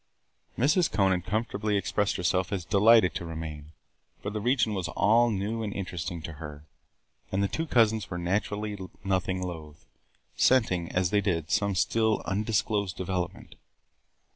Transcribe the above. Mrs. Conant comfortably expressed herself as delighted to remain, for the region was all new and interesting to her, and the two cousins were naturally nothing loath, scenting, as they did, some still undisclosed development.